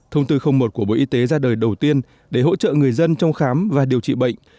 thông tư một của bộ y tế ra đời đầu tiên để hỗ trợ người dân trong khám và điều trị bệnh